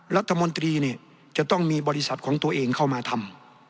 รัฐมนตรีเนี่ยจะต้องมีบริษัทของตัวเองเข้ามาทำ